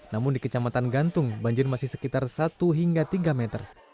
namun di kecamatan gantung banjir masih sekitar satu hingga tiga meter